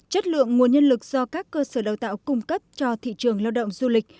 chất lượng nguồn nhân lực do các cơ sở đào tạo cung cấp cho thị trường lao động du lịch